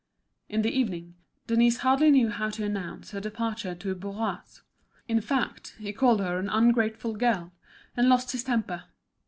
In the evening Denise hardly knew how to announce her departure to Bourras. In fact, he called her an ungrateful girl, and lost his temper.